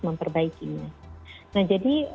memperbaikinya nah jadi